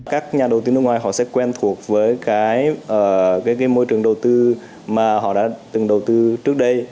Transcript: các nhà đầu tư nước ngoài họ sẽ quen thuộc với cái môi trường đầu tư mà họ đã từng đầu tư trước đây